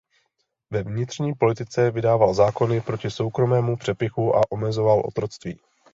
Ve vnitřní politice vydával zákony proti soukromému přepychu a omezoval otroctví.